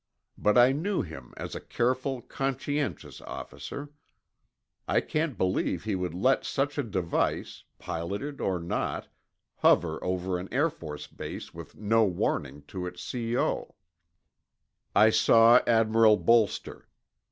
But I knew him as a careful, conscientious officer; I can't believe he would let such a device, piloted or not, hover over an Air Force base with no warning to its C.O. I saw Admiral Bolster.